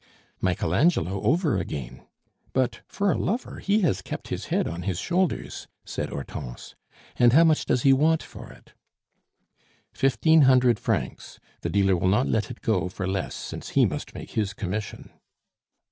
"Michael Angelo over again; but, for a lover, he has kept his head on his shoulders!" said Hortense. "And how much does he want for it?" "Fifteen hundred francs. The dealer will not let it go for less, since he must take his commission."